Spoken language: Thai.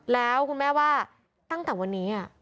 แล้วคุณแม่ว่าตั้งแต่วันนี้